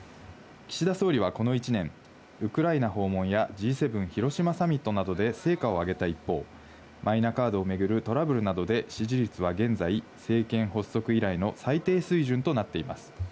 岸田総理は、この１年、ウクライナ訪問やＧ７広島サミットなどで成果を上げた一方、マイナカードを巡るトラブルなどで支持率は現在、政権発足以来の最低水準となっています。